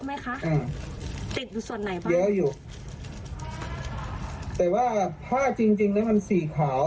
ไหมคะอืมติดอยู่ส่วนไหนบ้างเยอะอยู่แต่ว่าผ้าจริงจริงแล้วมันสีขาว